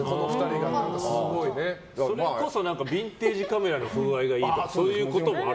それこそビンテージカメラの風合いがいいとかそういうこともある？